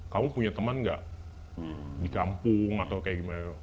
kamu punya teman gak di kampung atau kayak gimana